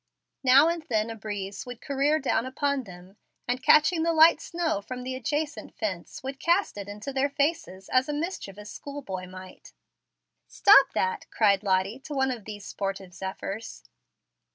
Now and then a breeze would career down upon them, and, catching the light snow from the adjacent fence, would cast it into their faces as a mischievous school boy might. "Stop that!" cried Lottie to one of these sportive zephyrs.